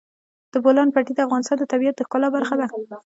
د بولان پټي د افغانستان د طبیعت د ښکلا برخه ده.